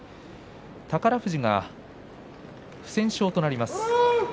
宝富士が不戦勝となりました。